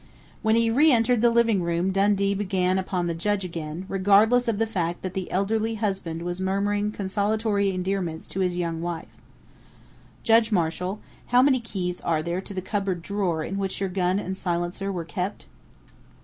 When he re entered the living room Dundee began upon the judge again, regardless of the fact that the elderly husband was murmuring consolatory endearments to his young wife. "Judge Marshall, how many keys are there to the cupboard drawer in which your gun and silencer were kept?"